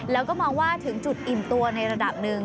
แล้วก็มองว่าถึงจุดอิ่มตัวในระดับหนึ่ง